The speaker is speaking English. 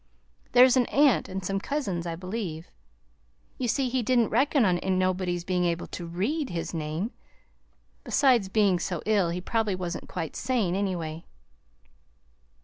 (There's an aunt and some cousins, I believe.) You see he didn't reckon on nobody's being able to READ his name! Besides, being so ill, he probably wasn't quite sane, anyway."